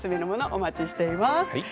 お待ちしています。